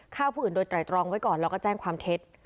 ฆ่าผู้อื่นโดยไตรตรองไว้ก่อนแล้วก็แจ้งความเท็จ